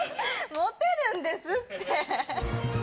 モテるんですって！